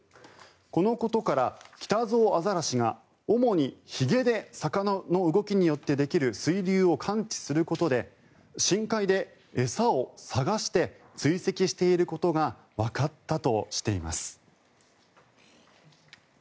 このことからキタゾウアザラシが主にひげで魚の動きによってできる水流を感知することで深海で餌を探して追跡していることがわかったとしています。